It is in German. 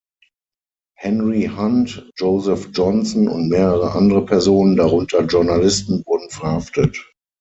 Henry Hunt, Joseph Johnson und mehrere andere Personen, darunter Journalisten, wurden verhaftet.